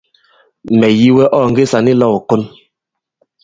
Mɛ̀ yi wɛ ɔ̂ ɔ̀ nge sàn i lɔ̄w ìkon.